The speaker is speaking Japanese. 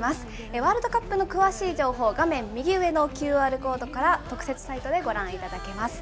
ワールドカップの詳しい情報、画面右上のＱＲコードから特設サイトでご覧いただけます。